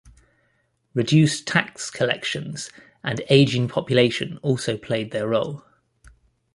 Reduced tax collections and aging population also played their role.